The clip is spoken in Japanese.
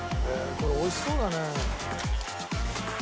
これ美味しそうだね。